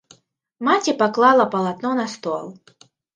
Маці паклала палатно на стол.